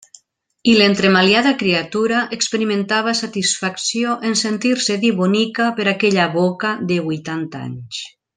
I l'entremaliada criatura experimentava satisfacció en sentir-se dir bonica per aquella boca de huitanta anys.